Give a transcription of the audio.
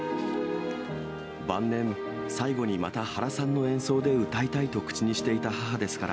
晩年、最後にまた原さんの演奏で歌いたいと口にしていた母ですから、